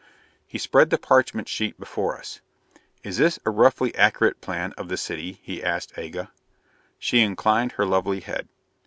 He spread the parchment sheet before us. "Is this a roughly accurate plan of the city?" he asked Aga. She inclined her lovely head.